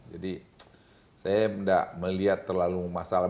jadi saya enggak melihat terlalu masalah